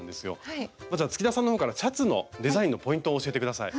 まずは月田さんの方からシャツのデザインのポイントを教えて下さい。